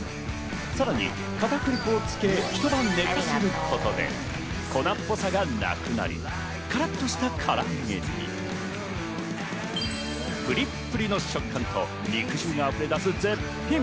さらに片栗粉を付け、一晩寝かせることで粉っぽさがなくなり、カラっとした唐揚げにプリップリの食感と肉汁が溢れ出す絶品。